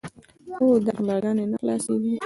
خو دا غلاګانې نه خلاصېږي.